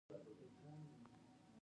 هلمند ډیر ښکلی ولایت دی